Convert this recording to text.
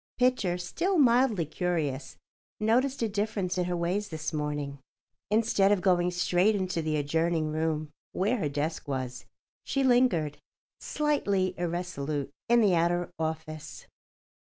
Pitcher, still mildly curious, noticed a difference in her ways this morning. Instead of going straight into the adjoining room, where her desk was, she lingered, slightly irresolute, in the outer office.